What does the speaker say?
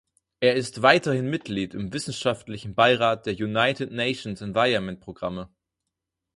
Er ist weiterhin Mitglied im wissenschaftlichen Beirat der United Nations Environment Programme.